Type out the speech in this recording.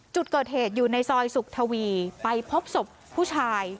จุดเกิดเหตุอยู่ในซอยสุขทวีไปพบศพผู้ชาย